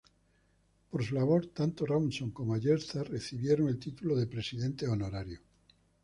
Por su labor, tanto Rawson como Ayerza recibieron el título de "presidentes honorarios".